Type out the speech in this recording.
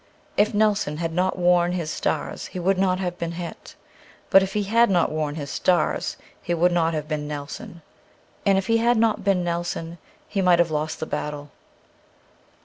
If Nelson had not worn his stars he would not have been hit. But if he had not worn his stars he would not have been Nelson ; and if he had not been Nelson he might have lost the battle.